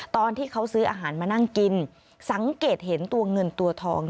ตอนที่เขาซื้ออาหารมานั่งกินสังเกตเห็นตัวเงินตัวทอง